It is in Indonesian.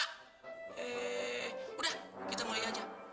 eh udah kita mulai aja